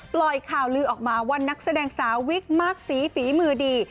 ปล่อยข่าวลือออกมาว่านักแสดงสาววิกมากสีฝีมือดี